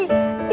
gak kena lagi